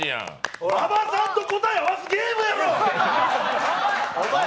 馬場さんと答え合わすゲームやろ！